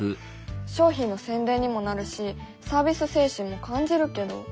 商品の宣伝にもなるしサービス精神も感じるけど。